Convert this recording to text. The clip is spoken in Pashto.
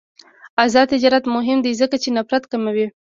آزاد تجارت مهم دی ځکه چې نفرت کموي.